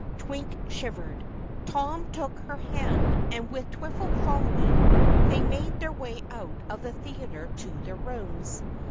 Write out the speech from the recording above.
Twink shivered. Tom took her hand, and with Twiffle following, they made their way out of the theater to their rooms.